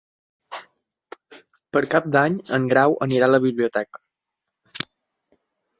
Per Cap d'Any en Grau anirà a la biblioteca.